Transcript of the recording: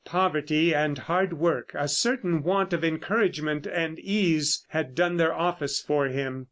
Poverty and hard work, a certain want of encouragement and ease had done their office for him.